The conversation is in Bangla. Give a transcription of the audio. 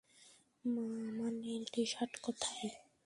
মা, আমার নীল টিশার্ট কোথায়?